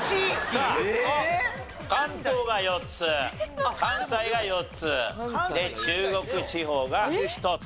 さあ関東が４つ関西が４つ中国地方が１つと。